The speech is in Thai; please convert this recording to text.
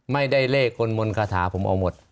ไม่ได้เลขคนมนต์คาถาผมเอาหมด